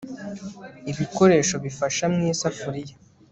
Ibikoresho bifasha mu isafuriya